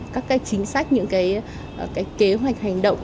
các cái chính sách những cái kế hoạch hành động